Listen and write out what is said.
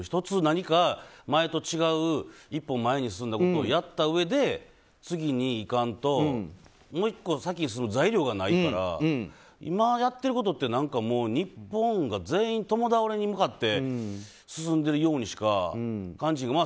１つ何か前と違う一歩前に進んだことをやったうえで次にいかんともう１個先に進む材料がないから今やってることって日本が全員共倒れに向かって進んでるようにしか感じん。